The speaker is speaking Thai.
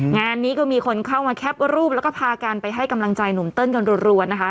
งานนี้ก็มีคนเข้ามาแคปรูปแล้วก็พากันไปให้กำลังใจหนุ่มเติ้ลกันรัวนะคะ